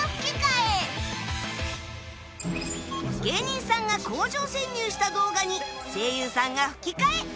芸人さんが工場潜入した動画に声優さんが吹き替え